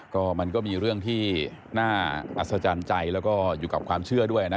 ก็มันก็มีเรื่องที่น่าอัศจรรย์ใจแล้วก็อยู่กับความเชื่อด้วยนะ